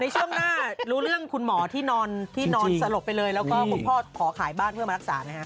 ช่วงหน้ารู้เรื่องคุณหมอที่นอนที่นอนสลบไปเลยแล้วก็คุณพ่อขอขายบ้านเพื่อมารักษานะฮะ